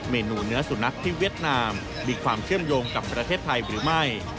เนื้อสุนัขที่เวียดนามมีความเชื่อมโยงกับประเทศไทยหรือไม่